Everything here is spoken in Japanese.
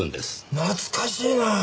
懐かしいな！